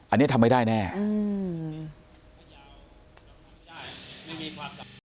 อันนี้ทำไม่ได้แน่